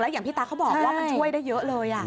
อย่างพี่ตั๊กเขาบอกว่ามันช่วยได้เยอะเลย